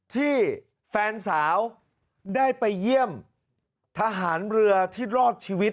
ที่แฟนสาวได้ไปเยี่ยมทหารเรือที่รอดชีวิต